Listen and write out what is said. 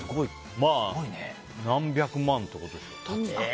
まあ、何百万ってことでしょ。